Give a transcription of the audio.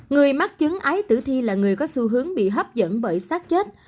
người mắc chứng ái tử thi là người có xu hướng bị hấp dẫn bởi sát chết